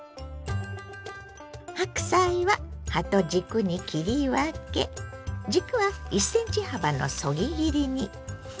白菜は葉と軸に切り分け軸は１ｃｍ幅のそぎ切りに。